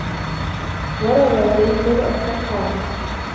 وَرَوَى زَيْدُ بْنُ أَسْلَمَ قَالَ